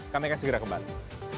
kami akan segera kembali